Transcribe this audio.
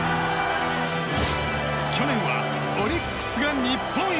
去年はオリックスが日本一！